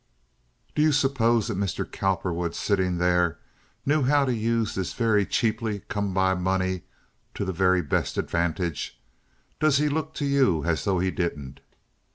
Don't you suppose that Mr. Cowperwood sitting there knew how to use this very cheaply come by money to the very best advantage? Does he look to you as though he didn't?